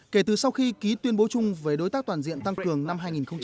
kể từ sau khi ký tuyên bố chung về đối tác toàn diện tăng cường năm hai nghìn một mươi